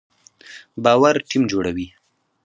باور ټیم جوړوي